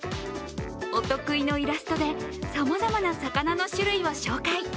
お得意のイラストでさまざまな魚の種類を紹介。